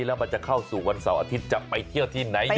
แล้วมันจะเข้าสู่วันเสาร์อาทิตย์จะไปเที่ยวที่ไหน